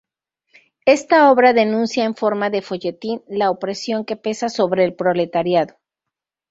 Esta obra denuncia en forma de "folletín" la opresión que pesa sobre el proletariado.